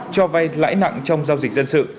cho vay lãi nặng trong giao dịch dân sự